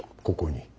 ここに。